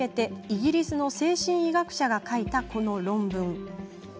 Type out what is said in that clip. イギリスの精神医学者が書いたこの論文。